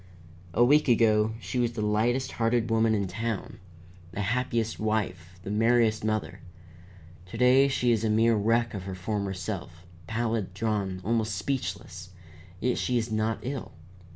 "A week ago she was the lightest hearted woman in town, the happiest wife, the merriest mother. To day she is a mere wreck of her former self, pallid, drawn, almost speechless, yet she is not ill.